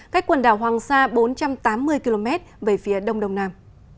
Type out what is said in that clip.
cách quần đảo hoàng sa bốn trăm tám mươi km về phía đông đông nam